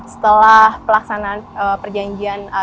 setelah pelaksanaan perjanjian